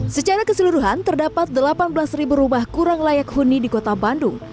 secara keseluruhan terdapat delapan belas rumah kurang layak huni di kota bandung